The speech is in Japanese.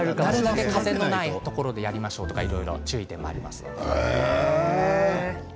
風のないところでやりましょうという注意点もあります。